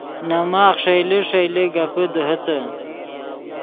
نے ماخ ݰئیلے ݰئیلے گپے دیہے تے